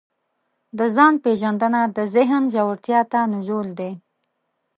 د ځان پېژندنه د ذهن ژورتیا ته نزول دی.